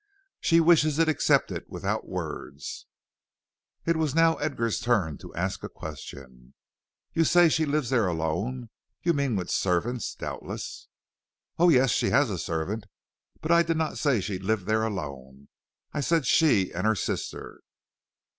She wishes it accepted without words." It was now Edgar's turn to ask a question. "You say she lives there alone? You mean with servants, doubtless?" "Oh, yes, she has a servant. But I did not say she lived there alone; I said she and her sister."